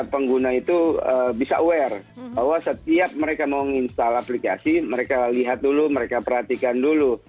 pengguna itu bisa aware bahwa setiap mereka mau menginstal aplikasi mereka lihat dulu mereka perhatikan dulu